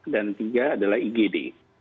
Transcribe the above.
dan tiga adalah igd